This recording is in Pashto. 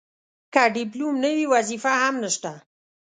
که ډیپلوم نه وي وظیفه هم نشته.